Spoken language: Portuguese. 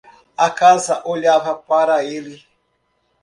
A casa olhava para ele.